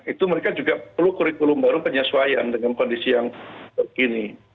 itu mereka juga perlu kurikulum baru penyesuaian dengan kondisi yang kini